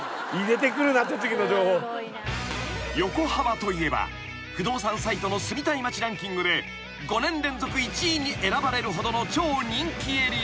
［横浜といえば不動産サイトの住みたい町ランキングで５年連続１位に選ばれるほどの超人気エリア］